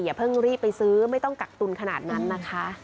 เพิ่งรีบไปซื้อไม่ต้องกักตุนขนาดนั้นนะคะ